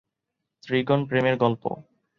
ত্রিকোণ প্রেমের গল্প।